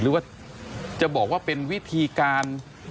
หรือว่าจะบอกว่าเป็นวิธีการ